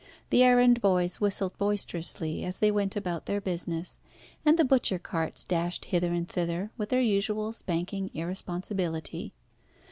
The errand boys whistled boisterously as they went about their business, and the butcher carts dashed hither and thither with their usual spanking irresponsibility.